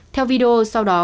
theo video sau đó